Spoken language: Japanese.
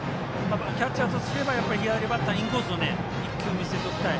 キャッチャーとすれば左バッターのインコースを１球見せておきたい。